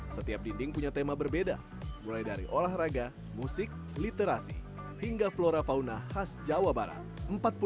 setiap dinding punya tema berbeda mulai dari olahraga musik literasi hingga flora fauna khas jawa barat